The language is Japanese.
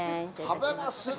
食べますね。